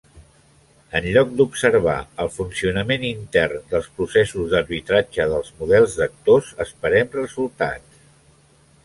En lloc d'observar el funcionament intern dels processos d'arbitratge dels models d'actors, esperem resultats.